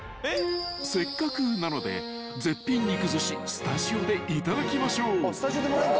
［せっかくなので絶品肉ずしスタジオでいただきましょう］